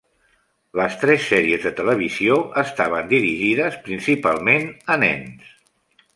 Les tres sèries de televisió estaven dirigides principalment a nens.